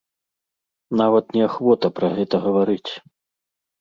Нават неахвота пра гэта гаварыць.